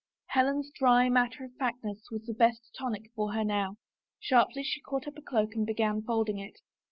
Helen's dry matter of f actness was the best tonic for her now. Sharply she caught up a cloak and began folding it.